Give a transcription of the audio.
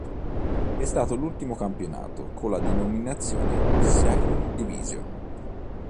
È stato l'ultimo campionato con la denominazione "Second Division".